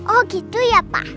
oh gitu ya pak